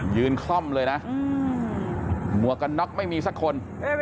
คล่อมเลยนะหมวกกันน็อกไม่มีสักคน